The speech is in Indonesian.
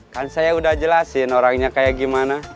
kan saya udah jelasin orangnya kayak gimana